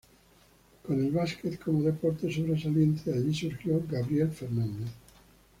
Con el básquet como deporte sobresaliente, de allí surgió Gabriel Fernández.